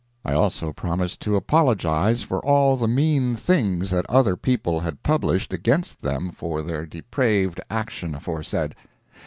I also promised to apologize for all the mean things that other people had published against them for their depraved action aforesaid.